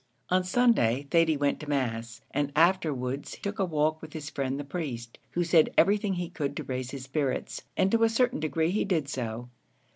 On Sunday, Thady went to mass, and afterwards took a walk with his friend the priest, who said everything he could to raise his spirits, and to a certain degree he did so.